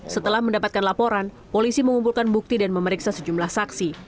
setelah mendapatkan laporan polisi mengumpulkan bukti dan memeriksa sejumlah saksi